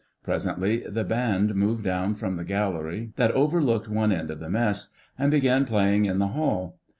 Presently the band moved down from the gallery that overlooked one end of the Mess, and began playing in the hall.